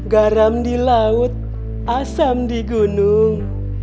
garam di laut asam di gunung